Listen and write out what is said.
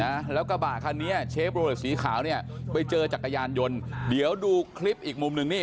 นะแล้วกระบะคันนี้เชฟโรเลสสีขาวเนี่ยไปเจอจักรยานยนต์เดี๋ยวดูคลิปอีกมุมหนึ่งนี่